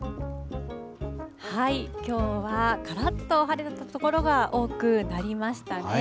きょうはからっと晴れた所が多くなりましたね。